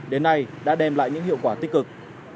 đến nay đã đem lại những hiệu quả tích cực